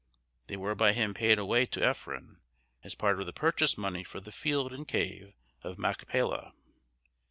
They were by him paid away to Ephron as part of the purchase money for the field and cave of Machpelah.